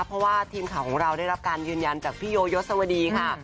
เพราะว่าทีมข่าวของเราได้รับการยืนยันจากพี่โยยศวดีค่ะ